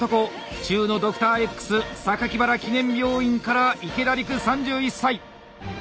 府中のドクターＸ原記念病院から池田陸３１歳。